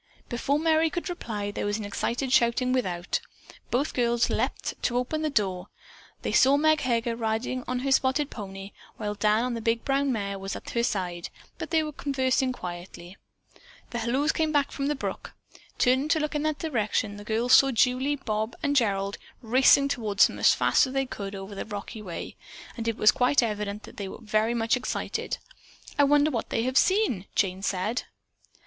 Before Merry could reply, there was an excited shouting without. Both girls leaped to the open door. They saw Meg Heger riding on her spotted pony, while Dan on the big brown mare was at her side, but they were conversing quietly. The halloos came from the brook. Turning to look in that direction, the girls saw Julie, Bob and Gerald racing toward them as fast as they could over the rocky way, and it was quite evident that they were all very much excited. "I wonder what they have seen?" Jane said.